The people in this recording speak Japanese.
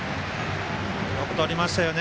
よくとりましたよね。